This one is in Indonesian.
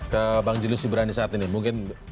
ke bang julus si berani saat ini mungkin